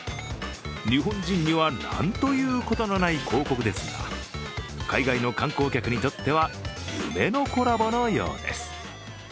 日本人には何ということのない広告ですが海外の観光客にとっては夢のコラボのようです。